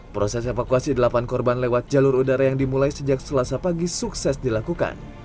proses evakuasi delapan korban lewat jalur udara yang dimulai sejak selasa pagi sukses dilakukan